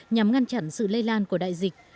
nhằm ngăn chặn sự lây lan của đại dịch